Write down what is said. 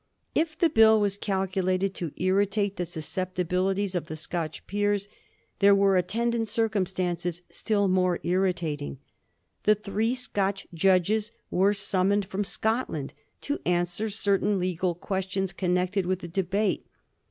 If the Bill was calculated to irritate the susceptibilities of the Scotch peers, there were attendant circumstances still more irritating. The three Scotch judges were sum moned from Scotland to answer certain legal questions connected with the debate.